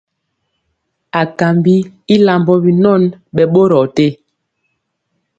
Akambi i lambɔ binɔn, ɓɛ ɓorɔɔ te.